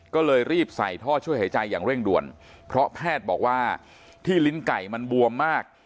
ก็เลยรีบใส่ท่อช่วยหายใจอย่างเร่งด่วนเพราะแพทย์บอกว่าที่ลิ้นไก่มันบวมมาก